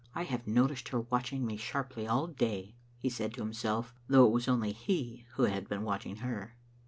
"I have noticed her watching me sharply all day," he said to himself, though it was only he who had been watching her.